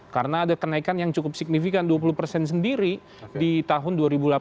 karena ada kenaikan yang cukup signifikan dua puluh persen sendiri di tahun dua ribu delapan belas